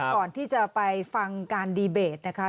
ก่อนที่จะไปฟังการดีเบตนะคะ